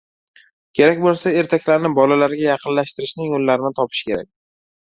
Kerak bo‘lsa, ertaklarni bolalarga yaqinlashtirishning yo‘llarini topish kerak.